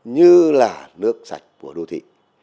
như là nước sạch của đô thị